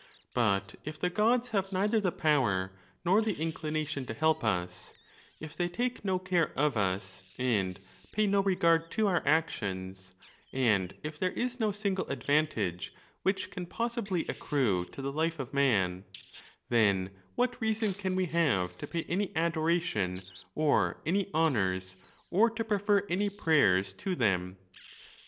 But if the Gods have neither the power nor the inclination to help us ; if they take no care of us, and pay no regard to our actions; and if there is no single advantage which can possibly accrue to the life of man; then what reason can we have to pay any adoration, or any honors, or to prefer any prayers to them